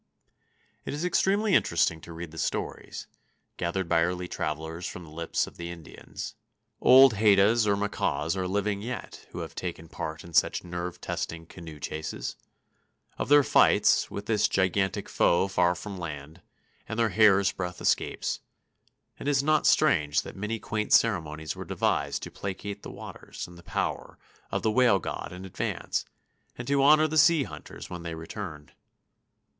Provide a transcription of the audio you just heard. It is extremely interesting to read the stories, gathered by early travelers from the lips of the Indians,—old Haidas or Makahs are living yet who have taken part in such nerve testing canoe chases,—of their fights with this gigantic foe far from land, and their hair's breadth escapes; and it is not strange that many quaint ceremonies were devised to placate the waters and the power of the whale god in advance, and to honor the sea hunters when they returned.